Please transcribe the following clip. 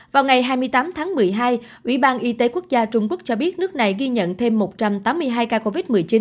vào ngày hai mươi tám tháng một mươi hai ủy ban y tế quốc gia trung quốc cho biết nước này ghi nhận thêm một trăm tám mươi hai ca covid một mươi chín